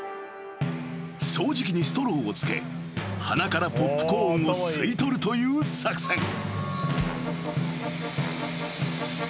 ［掃除機にストローをつけ鼻からポップコーンを吸い取るという作戦］